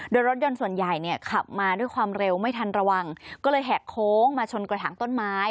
โดยรถยนต์ส่วนใหญ่เนี่ยขับมาด้วยความเร็วไม่ทันระวังก็เลยแหกโค้งมาชนกระถางต้นไม้